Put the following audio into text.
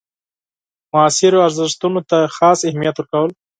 معاصرو ارزښتونو ته خاص اهمیت ورکول.